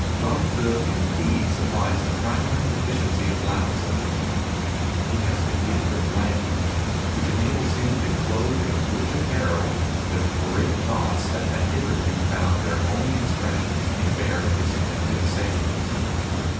Chuang Tzu, indeed, supplies the prime deficiency of Lao Tzu ; he has the gift of language which enables him to clothe in rich apparel the great 14 MUSINGS OF A CHINESE MYSTIC thoughts that had hitherto found their only expression in bare disconnected sayings.